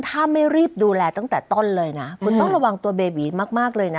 ถ้าไม่รีบดูแลตั้งแต่ต้นเลยนะคุณต้องระวังตัวเบบีมากเลยนะ